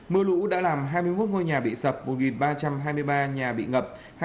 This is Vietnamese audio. mưa lũ đã làm hai mươi một ngôi nhà bị sập một ba trăm hai mươi ba nhà bị ngập